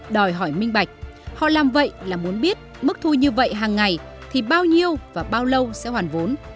đòi hỏi minh bạch họ làm vậy là muốn biết mức thu như vậy hàng ngày thì bao nhiêu và bao lâu sẽ hoàn vốn